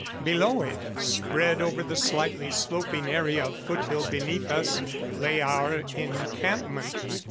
Below it, spread over the slightly sloping area of foothill beneath us, lay our encampment.